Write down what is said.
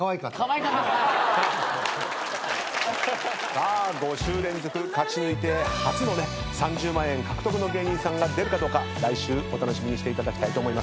さあ５週連続勝ち抜いて初のね３０万円獲得の芸人さんが出るかどうか来週お楽しみにしていただきたいと思います。